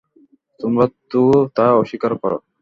তোমরাই তো তা অস্বীকার কর!